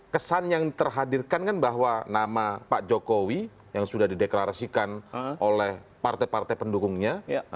kesan yang terhadirkan kan bahwa nama pak jokowi yang sudah dideklarasikan oleh partai partai pendukungnya